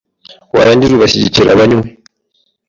warangiza ugashyigikira abanywi